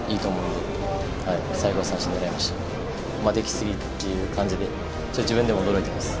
でき過ぎっていう感じで自分でも驚いてます。